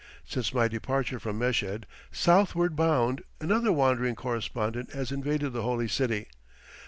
Since my departure from Meshed, southward bound, another wandering correspondent has invaded the Holy City.